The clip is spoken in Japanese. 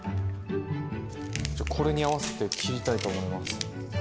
じゃあこれに合わせて切りたいと思います。